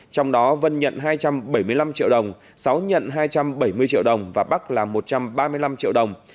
trong đó vân nhận hai trăm bảy mươi năm triệu đồng sáu nhận hai trăm bảy mươi triệu đồng và bắc là một trăm ba mươi năm triệu đồng